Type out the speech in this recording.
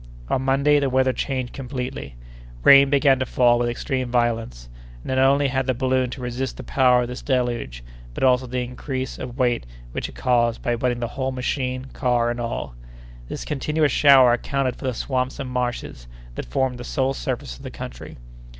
On Monday the weather changed completely. Rain began to fall with extreme violence, and not only had the balloon to resist the power of this deluge, but also the increase of weight which it caused by wetting the whole machine, car and all. This continuous shower accounted for the swamps and marshes that formed the sole surface of the country.